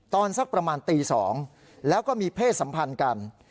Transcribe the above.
สักประมาณตี๒แล้วก็มีเพศสัมพันธ์กัน